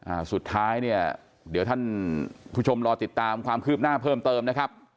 อ่าสุดท้ายเนี่ยเดี๋ยวท่านผู้ชมรอติดตามความคืบหน้าเพิ่มเติมนะครับ